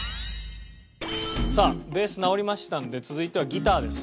さあベース直りましたので続いてはギターです。